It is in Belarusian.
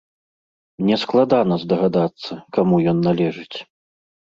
Нескладана здагадацца, каму ён належыць.